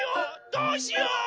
どうしよう！